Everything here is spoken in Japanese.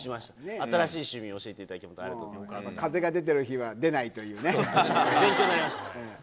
新しい趣味を教えていただき、風が出てる日は、出ないとい勉強になりました。